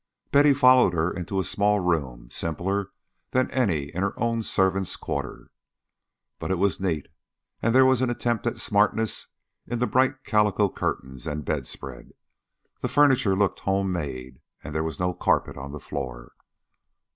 Betty followed her into a small room, simpler than any in her own servants' quarter. But it was neat, and there was an attempt at smartness in the bright calico curtains and bedspread. The furniture looked home made, and there was no carpet on the floor.